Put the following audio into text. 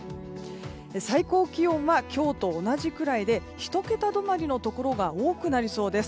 最高気温は今日と同じくらいで１桁止まりのところが多くなりそうです。